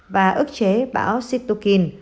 và ức chế bão cytokine